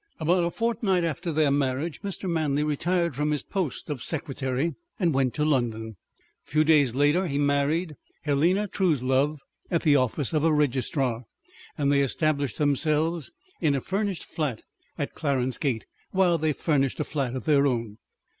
About a fortnight after their marriage Mr. Manley retired from his post of secretary and went to London. A few days later he married Helena Truslove at the office of a registrar, and they established themselves in a furnished flat at Clarence Gate, while they furnished a flat of their own.